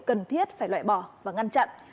cần thiết phải loại bỏ và ngăn chặn